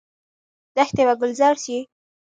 دښتې به ګلزار شي؟